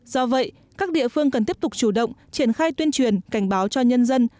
do vậy các địa phương cần tiếp tục chủ động triển khai tuyên truyền cảnh báo cho nhân dân